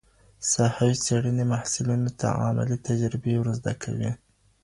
ساحوي څېړني محصلینو ته عملي تجربې ور زده کوي.